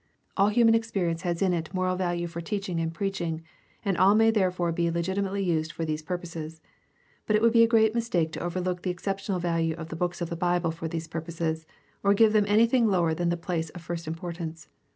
All human experience has in it moral value for teaching and preaching, and all may there fore be legitimately used for these purposes. But it would be a great mistake to overlook the exceptional value of the books of the Bible for these purposes, or give them anything lower than the place of first importance.